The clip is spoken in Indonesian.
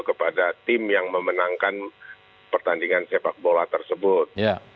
kepada tim yang memenangkan pertandingan sepak bola tersebut